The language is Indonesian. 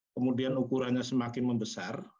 kemudian ukurannya semakin membesar